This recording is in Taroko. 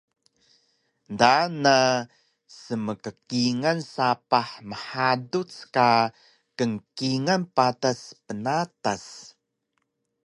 Daan na smkkingal sapah mhaduc ka kngkingal patas bnatas